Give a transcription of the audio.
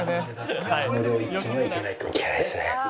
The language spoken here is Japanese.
いけないですね。